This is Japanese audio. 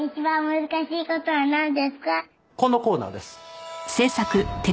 このコーナーです。